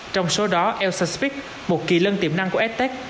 trong số đó elsa spick một kỳ lân tiềm năng của s tech